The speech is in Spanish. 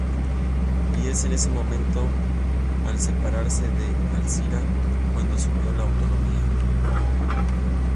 Y es en ese momento, al separarse de Alcira, cuando asumió la autonomía.